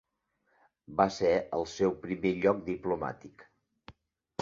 Va ser el seu primer lloc diplomàtic.